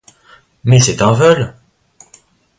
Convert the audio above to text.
Mais c’est un vol !